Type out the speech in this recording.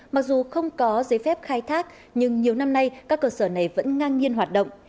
mặc dù không có giấy phép khai thác nhưng nhiều năm nay các cơ sở này vẫn ngang nhiên hoạt động